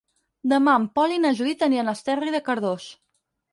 Demà en Pol i na Judit aniran a Esterri de Cardós.